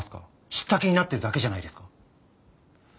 知った気になってるだけじゃないですか？